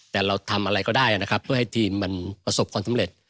แต่เราทำอะไรก็ได้นะครับเพื่อให้ทีมมันประสบความสำเร็จ